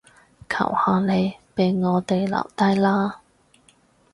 求下你，畀我哋留低啦